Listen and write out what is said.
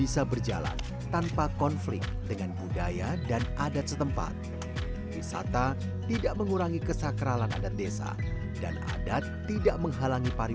sampai jumpa di video selanjutnya